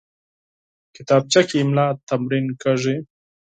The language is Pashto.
کتابچه کې املا تمرین کېږي